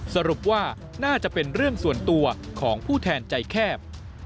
สรุปว่าน่าจะเป็นเรื่องส่วนตัวของผู้แทนใจแคบ